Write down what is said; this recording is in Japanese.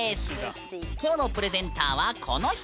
きょうのプレゼンターはこの人！